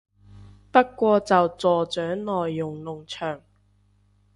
不過就助長內容農場